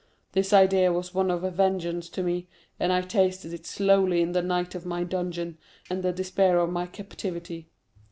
This idea was one of vengeance to me, and I tasted it slowly in the night of my dungeon and the despair of my captivity.